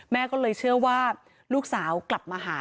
แม่ก็เลยเชื่อว่าลูกสาวกลับมาหา